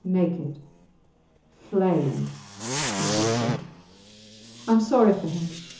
... Naked ... Flayed! I should say. I am sorry for him.